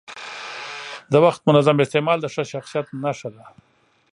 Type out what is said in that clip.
د وخت منظم استعمال د ښه شخصیت نښه ده.